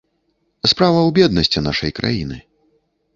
Справа ў беднасці нашай краіны.